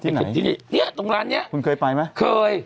ที่นี่เนี่ยตรงร้านนี้คุณเคยไปไหมเคย